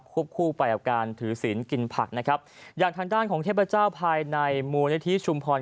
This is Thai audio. คู่ไปกับการถือศีลกินผักนะครับอย่างทางด้านของเทพเจ้าภายในมูลนิธิชุมพร